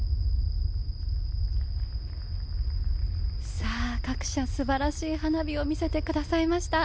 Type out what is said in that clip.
さあ各社すばらしい花火を見せてくださいました。